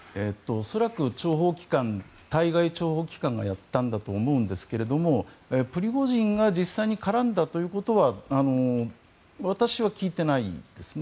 恐らく対外諜報機関がやったんだと思いますがプリゴジンが実際に絡んだということは私は聞いていないですね。